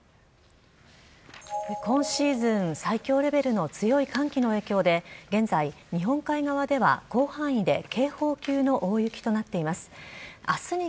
今シーズン最強レベルの強い寒気の影響で現在、日本海側では広範囲で警報級の大雪となっています。